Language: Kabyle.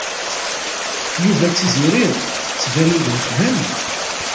Yuba d Tiziri ttbanen-d nneḥcamen.